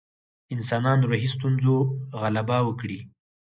انسانان روحي ستونزو غلبه وکړي.